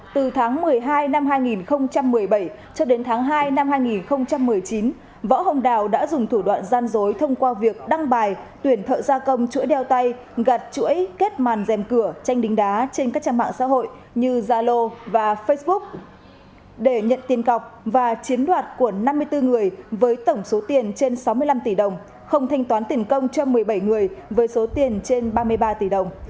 từ tháng một mươi hai năm hai nghìn một mươi bảy cho đến tháng hai năm hai nghìn một mươi chín võ hồng đào đã dùng thủ đoạn gian dối thông qua việc đăng bài tuyển thợ gia công chuỗi đeo tay gặt chuỗi kết màn dèm cửa tranh đính đá trên các trang mạng xã hội như zalo và facebook để nhận tiền cọc và chiến đoạt của năm mươi bốn người với tổng số tiền trên sáu mươi năm tỷ đồng không thanh toán tiền công cho một mươi bảy người với số tiền trên ba mươi ba tỷ đồng